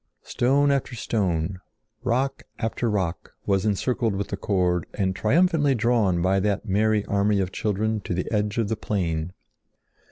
Stone after stone, rock after rock, was encircled with the cord and triumphantly drawn by that merry army of children to the edge of the plain.